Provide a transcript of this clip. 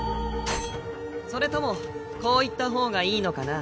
それともこう言った方がいいのかな？